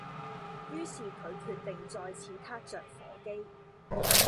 於是佢決定再次撻着火機